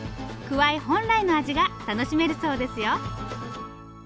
くわい本来の味が楽しめるそうですよ。